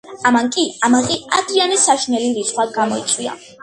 ამან კი ამაყი ადრიანეს საშინელი რისხვა გამოიწვია.